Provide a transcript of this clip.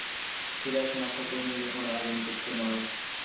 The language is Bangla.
সিরাস নক্ষত্রপুঞ্জের কোনো আগন্তুককে নয়।